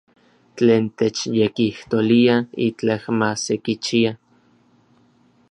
Tlen techyekijtolia itlaj ma sekichia.